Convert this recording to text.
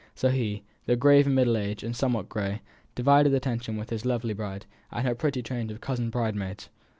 So he, though grave, and middle aged, and somewhat grey, divided attention and remark with his lovely bride, and her pretty train of cousin bridesmaids.